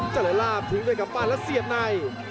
จรรยาภถึงด้วยกำปั้นแล้วเสียบใน